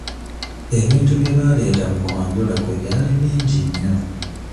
Ebintu bye baaleeta mu kwanjula kwe byali bingi nnyo.